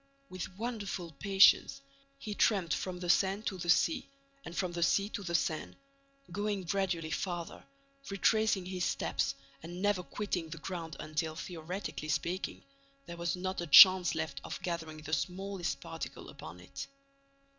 With wonderful patience, he tramped from the Seine to the sea, and from the sea to the Seine, going gradually farther, retracing his steps and never quitting the ground until, theoretically speaking, there was not a chance left of gathering the smallest particle upon it.